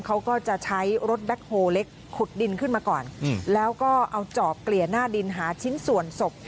เขาก็จะใช้รถแบ็คโฮเล็กขุดดินขึ้นมาก่อนแล้วก็เอาจอบเกลี่ยหน้าดินหาชิ้นส่วนศพ